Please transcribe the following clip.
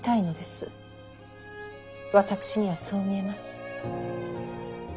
私にはそう見えます。